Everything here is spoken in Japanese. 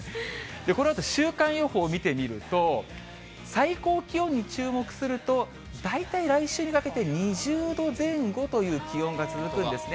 このあと週間予報見てみると、最高気温に注目すると、大体来週にかけて２０度前後という気温が続くんですね。